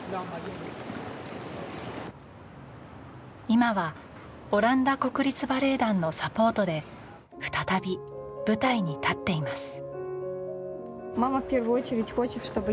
今はオランダ国立バレエ団のサポートで再び舞台に立っています。